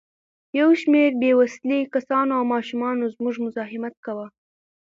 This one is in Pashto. یو شمېر بې وسلې کسانو او ماشومانو زموږ مزاحمت کاوه.